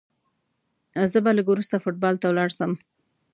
زه به لږ وروسته فوټبال ته ولاړ سم.